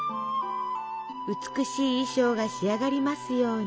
「美しい衣装が仕上がりますように」。